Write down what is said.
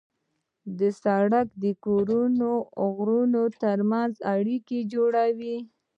سړک د کورنۍ غړو ترمنځ اړیکه جوړوي.